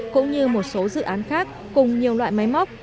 cũng như một số dự án khác cùng nhiều loại máy móc